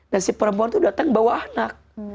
dan si perempuan tuh datang bawa anak